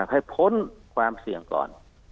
ให้พ้นความเสี่ยงก่อน